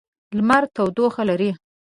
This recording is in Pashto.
لمر تودوخه لري.